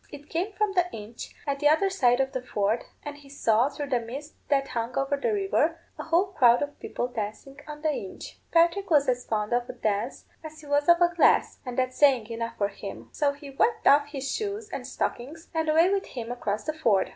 It came from the inch at the other side of the ford, and he saw, through the mist that hung over the river, a whole crowd of people dancing on the inch. Patrick was as fond of a dance, as he was of a glass, and that's saying enough for him; so he whipped off his shoes and stockings, and away with him across the ford.